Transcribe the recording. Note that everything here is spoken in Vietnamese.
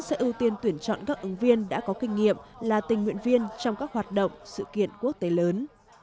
sẽ ưu tiên tuyển chọn các ứng viên đã có kinh nghiệm là tình nguyện viên trong các hoạt động sự kiện quốc tế lớn